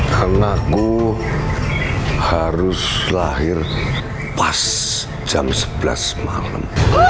karena aku harus lahir pas jam sebelas malam